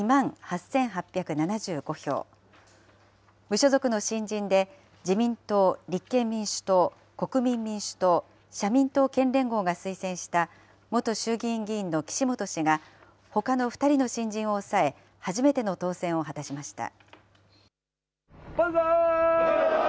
無所属の新人で、自民党、立憲民主党、国民民主党、社民党県連合が推薦した元衆議院議員の岸本氏が、ほかの２人の新人を抑え、初めての当選を果たしました。